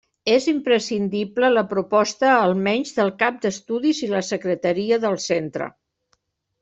És imprescindible la proposta, almenys, del cap d'estudis i la secretaria del centre.